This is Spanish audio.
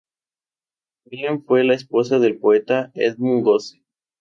Ellen fue la esposa del poeta Edmund Gosse.